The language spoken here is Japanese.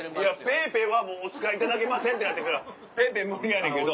「ＰａｙＰａｙはお使いいただけません」ってなってるからＰａｙＰａｙ無理やねんけど。